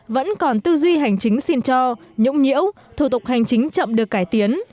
vẫn còn tư duy hành chính xin cho nhũng nhiễu thủ tục hành chính chậm được cải tiến